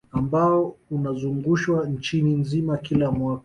Ambao unazungushwa nchi nzima kila mwaka